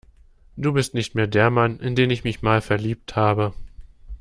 Du bist nicht mehr der Mann, in den ich mich mal verliebt habe.